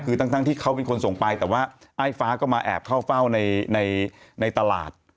คือทั้งที่เขาเป็นคนส่งไปแต่ว่าไอ้ฟ้าก็มาแอบเข้าเฝ้าในตลาด